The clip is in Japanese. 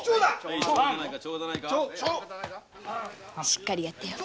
しっかりやってよ！